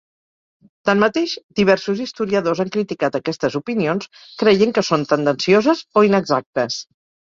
Tanmateix, diversos historiadors han criticat aquestes opinions, creient que són tendencioses o inexactes.